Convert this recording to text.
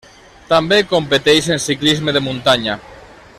També competeix en ciclisme de muntanya.